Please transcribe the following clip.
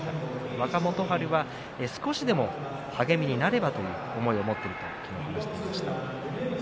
若元春は少しでも励みになればという思いを持っていると昨日、話をしていました。